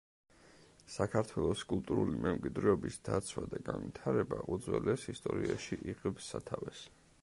საქართველოს კულტურული მემკვიდრეობის დაცვა და განვითარება უძველეს ისტორიაში იღებს სათავეს.